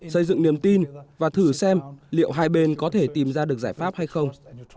xây dựng niềm tin và thử xem liệu hai bên có thể tìm ra được giải pháp hay không